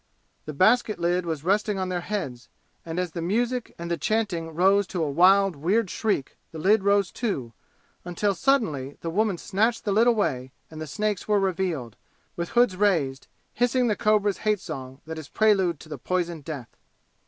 The basket lid was resting on their heads, and as the music and the chanting rose to a wild weird shriek the lid rose too, until suddenly the woman snatched the lid away and the snakes were revealed, with hoods raised, hissing the cobra's hate song that is prelude to the poison death.